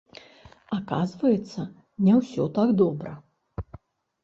Аказваецца, не ўсё так добра.